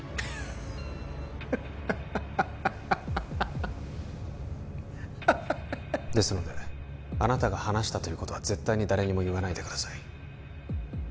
ハッハッハッハッハッですのであなたが話したということは絶対に誰にも言わないでください